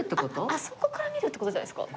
あそこから見るって事じゃないですか？